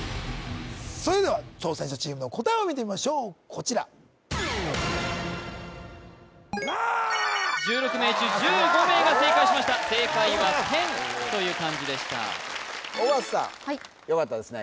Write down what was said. それでは挑戦者チームの答えを見てみましょうこちら１６名中１５名が正解しました正解は「天」という漢字でした尾形さんよかったですね